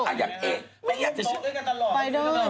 ไปดูมาปล้องทาย